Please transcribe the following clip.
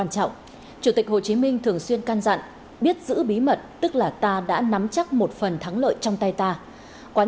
chất lượng chuyên môn của tất cả các vận động viên